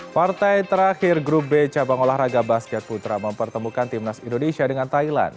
partai terakhir grup b cabang olahraga basket putra mempertemukan timnas indonesia dengan thailand